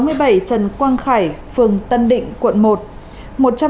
sáu mươi bảy trần quang khải phường tân định